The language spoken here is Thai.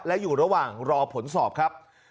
และอยู่ระหว่างรอผลสอบครับ